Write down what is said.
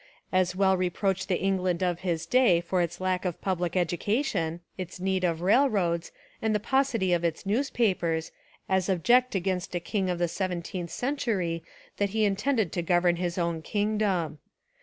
As well re proach the England of his day for its lack of public education, its need of railroads, and the paucity of its newspapers, as object against a king of the seventeenth century that he intended to govern his own kingdom.